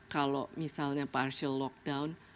kalau misalnya partial lockdown